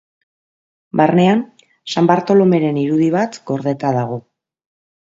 Barnean, San Bartolomeren irudi bat gordeta dago.